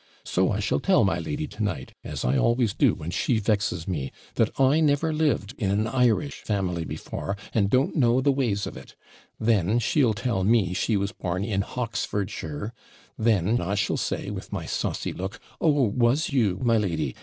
So I shall tell my lady to night, as I always do when she vexes me, that I never lived in an Irish family before, and don't know the ways of it then she'll tell me she was born in Hoxfordshire then I shall say, with my saucy look, "Oh, was you, my lady?